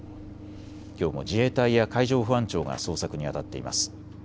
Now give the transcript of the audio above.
きょうも自衛隊や海上保安庁が捜索にあたっています。